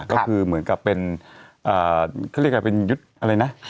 ก็คือเหมือนกับเป็นเขาเรียกว่าเป็นยุทธ์อะไรนะ